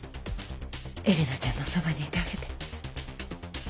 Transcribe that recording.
英玲奈ちゃんのそばにいてあげて。